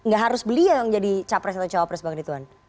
gak harus beliau yang jadi capres atau cawapres bang rituan